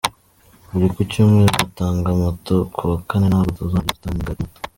Buri ku cyumweru dutanga Moto, kuwa kane nabwo tuzongera dutange indi moto.